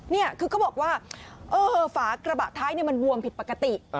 เนี่ยคือก็บอกว่าเออฝากระบะท้ายเนี่ยมันววมผิดปกติ